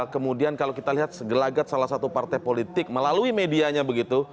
kemudian kalau kita lihat segelagat salah satu partai politik melalui medianya begitu